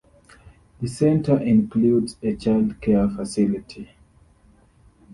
The centre includes a childcare facility.